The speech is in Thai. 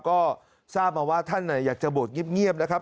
ก็ทราบมาว่าท่านอยากจะบวชเงียบนะครับ